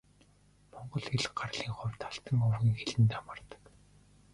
Монгол хэл гарлын хувьд Алтай овгийн хэлэнд хамаардаг.